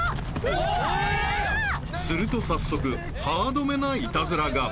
［すると早速ハードめなイタズラが］